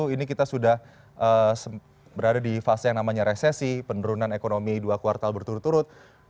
ini kita sudah berada di fase yang namanya resesi penurunan ekonomi dua kuartal berturut turut